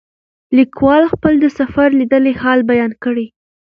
لیکوال خپل د سفر لیدلی حال بیان کړی.